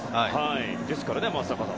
ですから、松坂さん